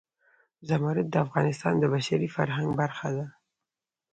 زمرد د افغانستان د بشري فرهنګ برخه ده.